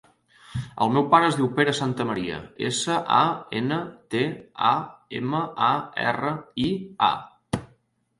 El meu pare es diu Pere Santamaria: essa, a, ena, te, a, ema, a, erra, i, a.